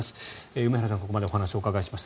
梅原さんにここまでお話をお伺いしました。